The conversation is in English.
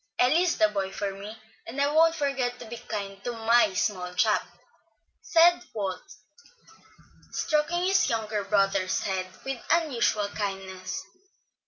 "Eli is the boy for me, and I won't forget to be kind to my small chap," said Walt, stroking his younger brother's head with unusual kindness.